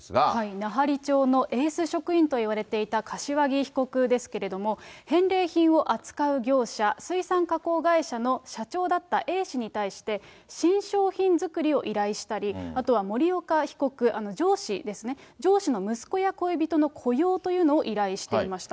奈半利町のエース職員といわれていた柏木被告ですけれども、返礼品を扱う業者、水産加工会社の社長だったＡ氏に対して、新商品作りを依頼したり、あとは森岡被告、上司ですね、上司の息子や恋人の雇用というのを依頼していました。